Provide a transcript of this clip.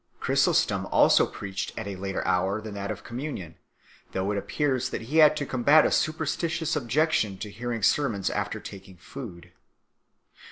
Chrysostom also preached at a later hour than that of communion, though it appears that he had to combat a superstitious objection to hearing sermons after taking food 3